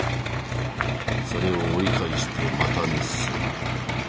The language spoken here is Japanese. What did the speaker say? それを折り返してまた熱する。